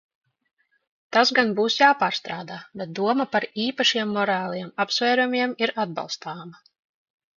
Tas gan būs jāpārstrādā, bet doma par īpašiem morāliem apsvērumiem ir atbalstāma.